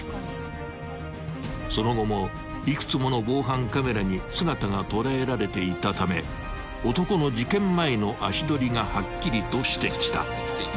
［その後も幾つもの防犯カメラに姿が捉えられていたため男の事件前の足取りがはっきりとしてきた］